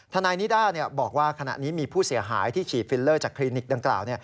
นายนิด้าบอกว่าขณะนี้มีผู้เสียหายที่ฉีดฟิลเลอร์จากคลินิกดังกล่าว